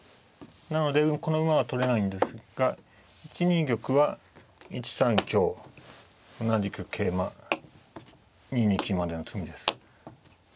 なのでこの馬は取れないんですが１二玉は１三香同じく桂馬２二金までの詰みです。